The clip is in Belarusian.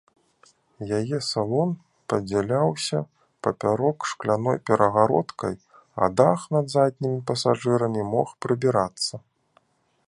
Яе салон падзяляўся папярок шкляной перагародкай, а дах над заднімі пасажырамі мог прыбірацца.